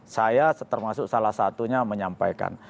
saya termasuk salah satunya menyampaikan